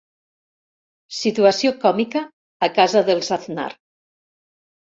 Situació còmica a casa dels Aznar.